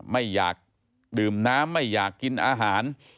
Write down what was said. ไม่อยากดื่มน้ำไม่อยากกินอาหาร